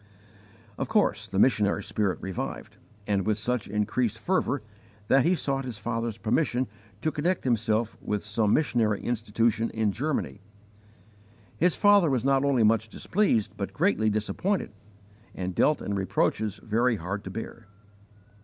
Of course the missionary spirit revived, and with such increased fervor, that he sought his father's permission to connect himself with some missionary institution in Germany. His father was not only much displeased, but greatly disappointed, and dealt in reproaches very hard to bear.